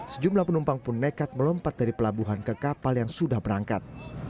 sejumlah penumpang pun nekat melompat dari pelabuhan ke kapal yang sudah berangkat